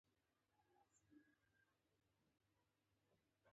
مطبوعاتي ازادي یې هغه نتایج وو.